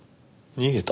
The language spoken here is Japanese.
逃げた？